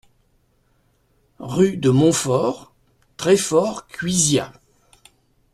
Rue de Montfort, Treffort-Cuisiat